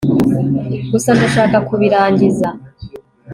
gusa ndashaka kubirangiza